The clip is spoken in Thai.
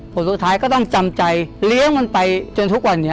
ผลสุดท้ายก็ต้องจำใจเลี้ยงมันไปจนทุกวันนี้